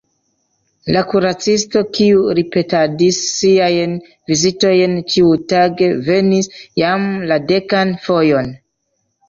La kuracisto, kiu ripetadis siajn vizitojn ĉiutage, venis jam la dekan fojon.